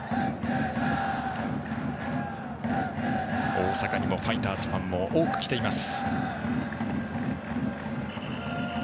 大阪にもファイターズファンも多く来ています。